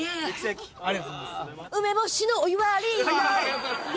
ありがとうございます。